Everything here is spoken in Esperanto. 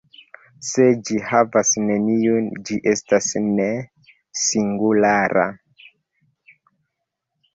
Se ĝi havas neniun, ĝi estas "ne-singulara".